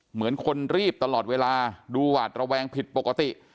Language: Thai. เหมือนคนรีบตลอดเวลาดูหวาดระแวงผิดปกติ